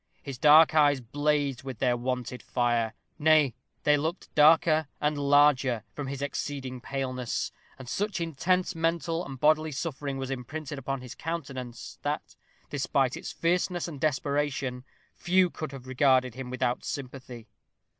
His dark eyes blazed with their wonted fire nay, they looked darker and larger from his exceeding paleness, and such intense mental and bodily suffering was imprinted upon his countenance, that, despite its fierceness and desperation, few could have regarded him without sympathy.